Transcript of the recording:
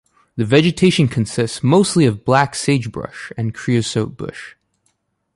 The vegetation consists mostly of black sagebrush and creosote bush.